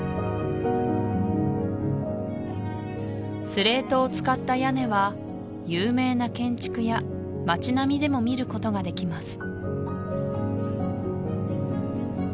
スレートを使った屋根は有名な建築や街並みでも見ることができます